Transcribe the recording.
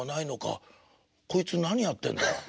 こいつ何やってんだ？